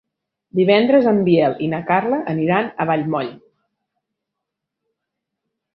Divendres en Biel i na Carla aniran a Vallmoll.